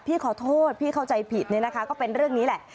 พี่ขอโทษพี่เข้าใจผิดเนี่ยนะคะก็เป็นเรื่องนี้แหละ